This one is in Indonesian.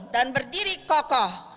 dan berdiri kokoh